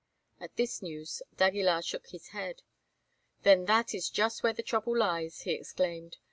At this news d'Aguilar shook his head. "Then that is just where the trouble lies," he exclaimed.